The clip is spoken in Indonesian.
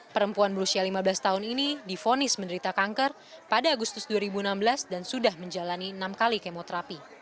perempuan berusia lima belas tahun ini difonis menderita kanker pada agustus dua ribu enam belas dan sudah menjalani enam kali kemoterapi